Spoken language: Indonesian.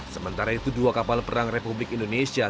sementara itu dua kapal perang republik indonesia